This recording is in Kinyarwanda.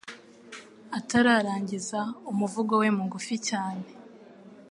Atararangiza umuvugo we mugufi cyane,